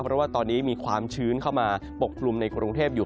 เพราะว่าตอนนี้มีความชื้นเข้ามาปกคลุมในกรุงเทพอยู่